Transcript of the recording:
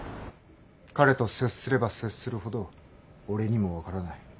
彼と接すれば接するほど俺にも分からない。